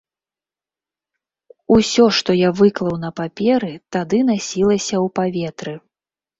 Усё, што я выклаў на паперы, тады насілася ў паветры.